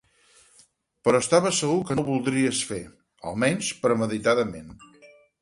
Però estava segur que no ho voldries fer, almenys premeditadament.